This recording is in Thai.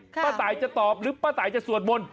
ป้าตายจะตอบหรือป้าตายจะสวดมนต์